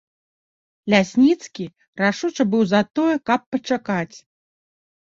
Лясніцкі рашуча быў за тое, каб пачакаць.